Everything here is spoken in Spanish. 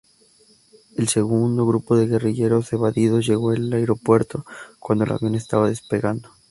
El segundo grupo de guerrilleros evadidos llegó al aeropuerto cuando el avión estaba despegando.